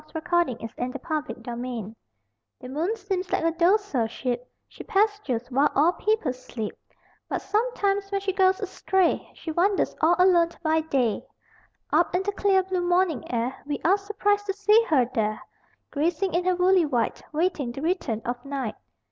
[Illustration: The Old Swimmer] THE MOON SHEEP The moon seems like a docile sheep, She pastures while all people sleep; But sometimes, when she goes astray, She wanders all alone by day. Up in the clear blue morning air We are surprised to see her there, Grazing in her woolly white, Waiting the return of night.